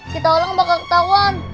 kita orang bakal ketahuan